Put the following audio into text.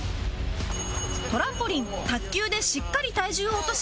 トランポリン卓球でしっかり体重を落とし